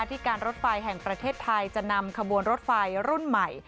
ที่การรถไฟแห่งประเทศไทยจะนำขบวนรถไฟรุ่นใหม่